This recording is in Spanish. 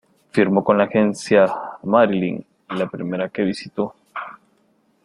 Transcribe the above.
Firmó con la Agencia Marilyn, la primera que visitó.